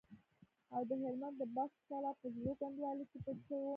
او د هلمند د بست کلا په زړو کنډوالو کې پټ شو.